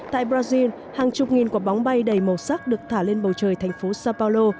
tại brazil hàng chục nghìn quả bóng bay đầy màu sắc được thả lên bầu trời thành phố sa paolo